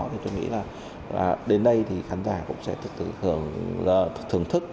thì tôi nghĩ là đến đây thì khán giả cũng sẽ thưởng thức